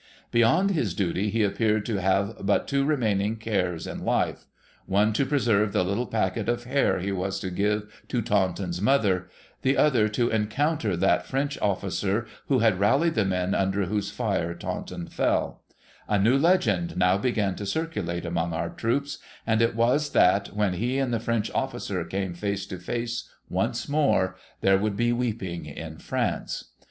Beyond his duty he appeared to have but two remaining HOME TO ENGLAND ^5 cares In life, — one, to preserve the little packet of hair he was to give to Taunton's mother ; the other, to encounter that French officer who had rallied the men under whose fire Taunton fell, A new legend now began to circulate among our troops ; and it was, that when he and the French officer came face to face once more, there would be weeping in France.